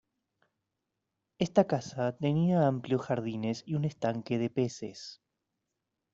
Esta casa tenía amplios jardines y un estanque de peces.